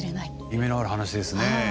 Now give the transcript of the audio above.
夢のある話ですね。